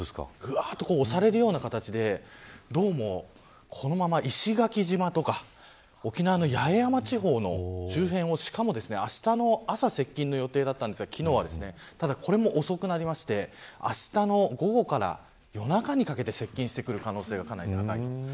押されるような形でこのまま石垣島とか沖縄の八重山地方の周辺をしかも、昨日は、あしたの朝接近の予定だったんですがこれも遅くなってあしたの午後から夜中にかけて接近する可能性が高いです。